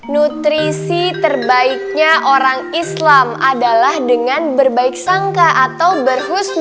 nutrisi terbaiknya orang islam adalah dengan berbaik sangka atau berhusmi